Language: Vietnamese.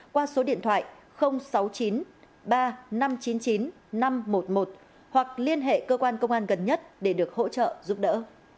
qua số điện thoại sáu mươi chín ba nghìn năm trăm chín mươi chín năm trăm một mươi một hoặc liên hệ cơ quan công an gần nhất để được hỗ trợ giúp đỡ